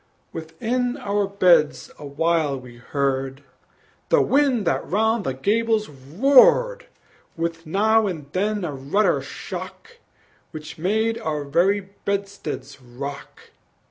Within our beds awhile we heard The wind that round the gables roared, With now and then a ruder shock, Which made our very bedsteads rock.